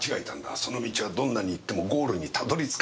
その道はどんなに行ってもゴールに辿り着かないよ。